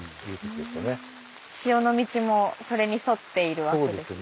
塩の道もそれに沿っているわけですね。